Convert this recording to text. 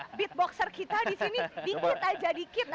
ada beatboxer kita disini dikit aja dikit aja